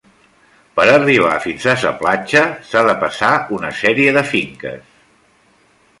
Per arribar fins a sa platja s'ha de passar una sèrie de finques.